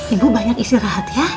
ibu banyak istirahat ya